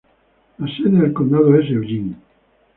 La sede del condado es Eugene.